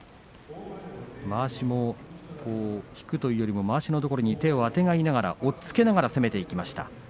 まわしを引くというよりまわしのところに手をあてがいながら、押っつけながら攻めていきました。